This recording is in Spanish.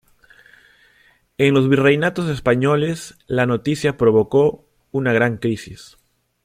En los virreinatos españoles, la noticia provocó una gran crisis.